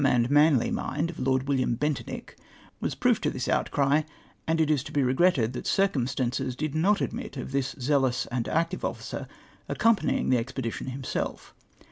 22:} manly mind of Lord William Bentinck was proof to this out cry, and it is to be regretted that circumstances did not admit of this zealous and active officer accompanying the expedition himself.